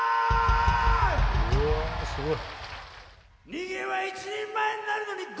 うわすごい！